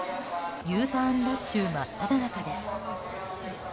Ｕターンラッシュ真っただ中です。